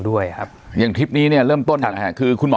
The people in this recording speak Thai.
สวัสดีครับทุกผู้ชม